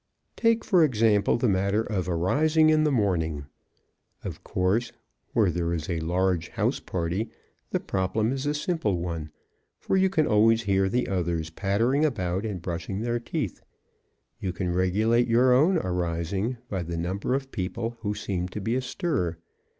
Take, for example, the matter of arising in the morning. Of course, where there is a large house party the problem is a simple one, for you can always hear the others pattering about and brushing their teeth. You can regulate your own arising by the number of people who seem to be astir.